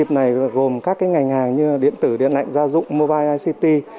các doanh nghiệp này gồm các ngành hàng như điện tử điện lạnh gia dụng mobile ict